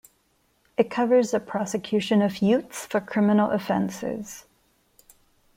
It covers the prosecution of youths for criminal offences.